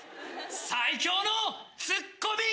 最強のツッコミ。